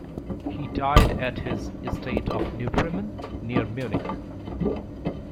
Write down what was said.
He died at his estate of Neufreimann, near Munich.